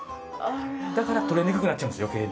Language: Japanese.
だから取れにくくなっちゃうんです余計に。